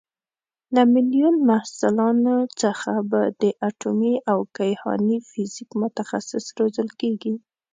له میلیون محصلانو څخه به د اټومي او کیهاني فیزیک متخصص روزل کېږي.